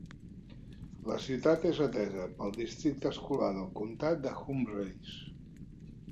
La ciutat és atesa pel districte escolar del comtat de Humphreys.